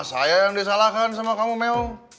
nah saya yang disalahkan sama kamu meong